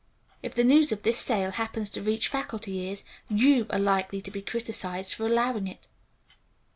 If the news of this sale happens to reach faculty ears you are likely to be criticized for allowing it."